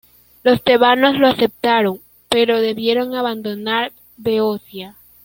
Los tebanos la aceptaron, pero debieron abandonar Beocia.